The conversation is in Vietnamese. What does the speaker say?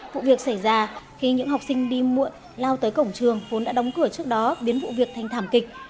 vụ việc xảy ra khi những học sinh đi muộn lao tới cổng trường vốn đã đóng cửa trước đó biến vụ việc thành thảm kịch